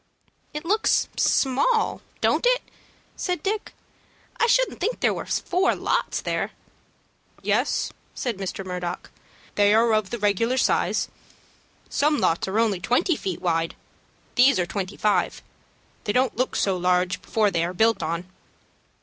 "It looks small, don't it?" said Dick. "I shouldn't think there was four lots there." "Yes," said Mr. Murdock, "they are of the regular size. Some lots are only twenty feet wide. These are twenty five. They don't look so large before they are built on."